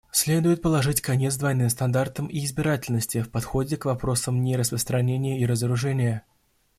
Следует положить конец двойным стандартам и избирательности в подходе к вопросам нераспространения и разоружения.